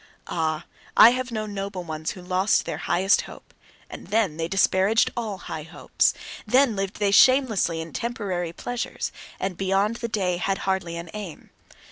Ah! I have known noble ones who lost their highest hope. And then they disparaged all high hopes. Then lived they shamelessly in temporary pleasures, and beyond the day had hardly an aim.